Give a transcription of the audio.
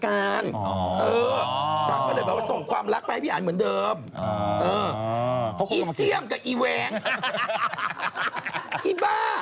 ถามก็เหลือว่าส่งความลักไปให้พี่อาณภูมิเหมือนเดิม